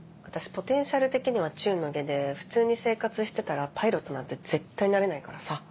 ポテンシャル的には中の下で普通に生活してたらパイロットなんて絶対なれないからさ。